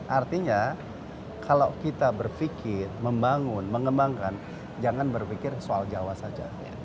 artinya kalau kita berpikir membangun mengembangkan jangan berpikir soal jawa saja